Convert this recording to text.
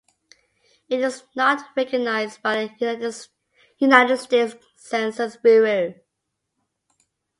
It is not recognized by the United States Census Bureau.